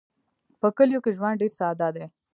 په کلیو کې ژوند ډېر ساده دی.